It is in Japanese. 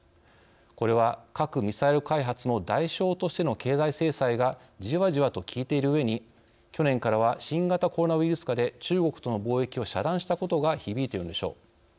これは核・ミサイル開発の代償としての経済制裁がじわじわと効いているうえに去年からは新型コロナウイルス禍で中国との貿易を遮断したことが響いてるのでしょう。